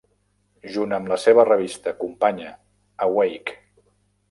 Junt amb la seva revista companya, Awake!